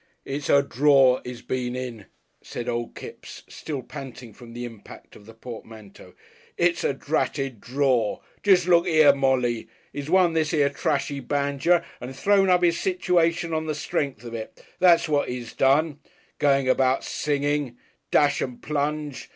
"It's a draw he's been in," said Old Kipps, still panting from the impact of the portmanteau; "it's a dratted draw. Jest look here, Molly. He's won this 'ere trashy banjer and thrown up his situation on the strength of it that's what he's done. Goin' about singing. Dash and plunge!